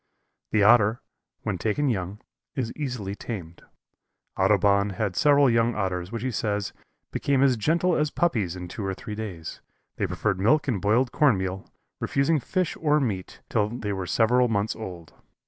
The Otter, when taken young, is easily tamed. Audubon had several young Otters which he says "became as gentle as Puppies in two or three days. They preferred milk and boiled corn meal, refusing fish or meat till they were several months old."